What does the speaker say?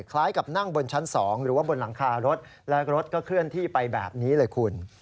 คล้ายกับนั่งบนชั้น๒หรือว่าบนหลังคารถและรถก็เคลื่อนที่ไปแบบนี้เลยคุณ